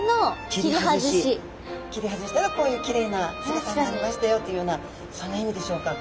切り外したらこういうきれいな姿になりましたよというようなそんな意味でしょうか。